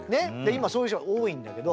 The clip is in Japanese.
今そういう人多いんだけど。